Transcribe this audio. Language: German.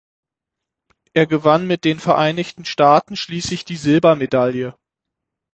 Er gewann mit den Vereinigten Staaten schließlich die Silbermedaille.